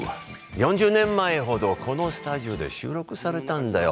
４０年前ほどこのスタジオで収録されたんだよ。